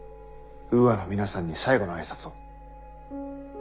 ウーアの皆さんに最後の挨拶を。